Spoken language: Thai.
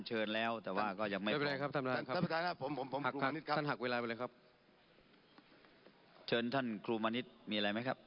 เชิญท่านคุณกรุมนิษย์มีอะไรไหมครับ